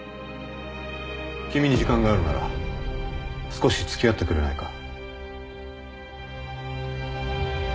君に時間があるなら少し付き合ってくれないか？